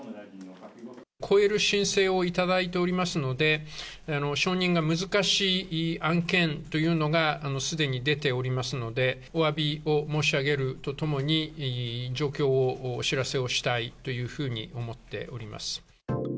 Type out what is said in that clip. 超える申請を頂いておりますので、承認が難しい案件というのが、すでに出ておりますので、おわびを申し上げるとともに、状況をお知らせをしたいというふうに思っております。